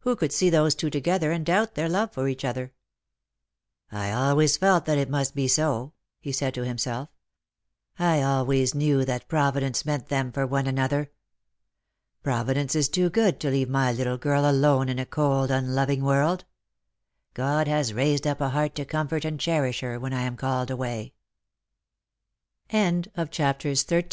Who could see those two together and doubt their love for each other ? "I always felt that it must be so," he said to himself; "I always knew that Providence meant them for one another. Providence is too good to leave my little girl alone in a cold unloving world. God has raised up a heart to comfort and cherish her when I am called away." Lost for Love.